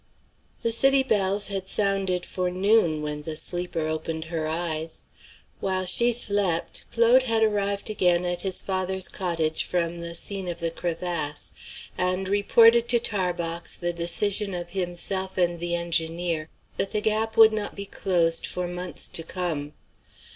The city bells had sounded for noon when the sleeper opened her eyes. While she slept, Claude had arrived again at his father's cottage from the scene of the crevasse, and reported to Tarbox the decision of himself and the engineer, that the gap would not be closed for months to come.